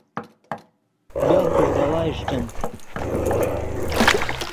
لوہ پݱغاؤا اݰٹیم